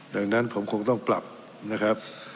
ดังนั้นผมคงต้องปรับนะครับ